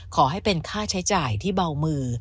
ขอให้เป็นค่าใช้จ่ายที่เบามือ